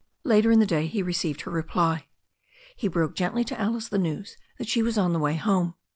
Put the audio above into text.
Later in the day he received her reply. He broke gently to Alice the news that she was on the way home.